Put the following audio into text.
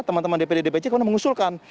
teman teman dpd dpc kemudian mengusulkan